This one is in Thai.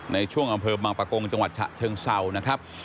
ในช่วงอำเภอบางประกงจังหวัดฉะเชิงเศร้านะครับ